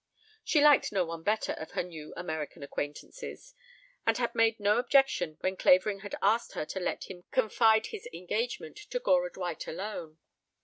She liked no one better, of her new American acquaintances, and had made no objection when Clavering had asked her to let him confide his engagement to Gora Dwight alone.